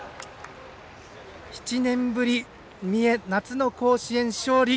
７年ぶり、三重夏の甲子園、勝利！